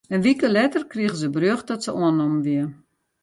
In wike letter krige se berjocht dat se oannommen wie.